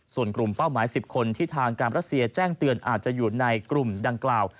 ส่วนกลุ่มเป้าหมาย๑๐คนที่ทางการรัสเซียแจ้งเตือนอาจจะอยู่ในกลุ่มดังกล่าว